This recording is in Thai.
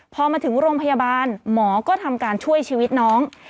พอมาถึงโรงพยาบาลหมอก็ทำการช่วยชีวิตน้อง